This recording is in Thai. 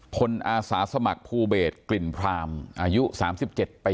พลอาสาสมัครฟูเบจกลิ่นพรามอายุสามสิบเจ็ดปี